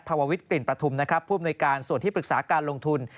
ภาววิทย์กลิ่นประทุมนะครับผู้อำนวยการส่วนที่ปรึกษาการลงทุน